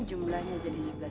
jumlahnya jadi sepuluh juta